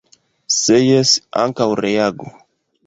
Se jes, ankaŭ reagu.